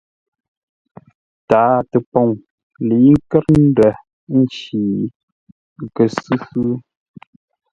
Tǎa-təpoŋ lə̌i nkət ndə̂ nci, kə́ sʉ́ sʉ́.